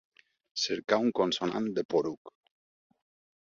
Cercar un consonant de "poruc".